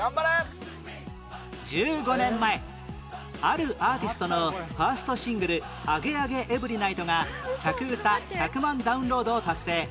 １５年前あるアーティストのファーストシングル『アゲ♂アゲ ♂ＥＶＥＲＹ☆ 騎士』が着うた１００万ダウンロードを達成